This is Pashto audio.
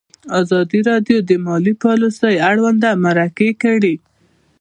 ازادي راډیو د مالي پالیسي اړوند مرکې کړي.